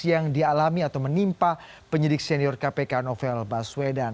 yang dialami atau menimpa penyidik senior kpk novel baswedan